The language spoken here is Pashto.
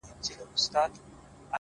داسي نه كړو _